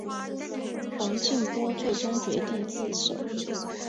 冯静波最终决定自首。